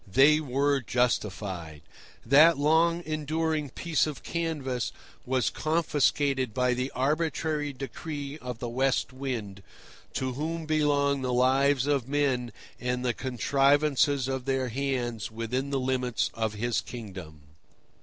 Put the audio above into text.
They were justified. That long enduring piece of canvas was confiscated by the arbitrary decree of the West Wind, to whom belong the lives of men and the contrivances of their hands within the limits of his kingdom.